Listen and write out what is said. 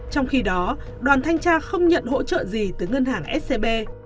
trong khi đó đoàn thanh tra không nhận hỗ trợ gì từ ngân hàng scb